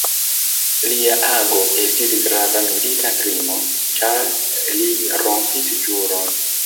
Lia ago estis grava milita krimo, ĉar li rompis ĵuron.